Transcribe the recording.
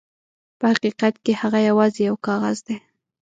په حقیقت کې هغه یواځې یو کاغذ دی.